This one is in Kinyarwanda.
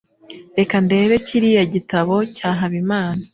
Reka ndebe kiriya gitabo cya Habimana.